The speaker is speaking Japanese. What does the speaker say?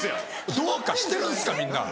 どうかしてるんですかみんな！